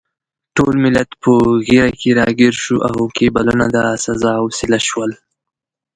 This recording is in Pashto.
ټول ملت په ږیره کې راګیر شو او کیبلونه د سزا وسیله شول.